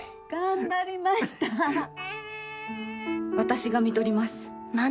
私が看取ります。